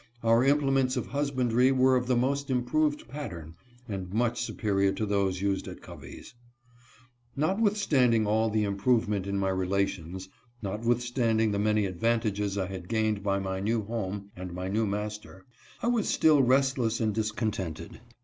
Our implements of husbandry were of the most improved pattern, and much superior to those used at Covey's. Notwithstanding all the improvement in my relations, notwithstanding the many advantages I had gained by my new home and my new master, I was still restless and discontented.